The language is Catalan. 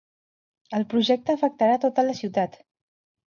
El projecte afectarà tota la ciutat.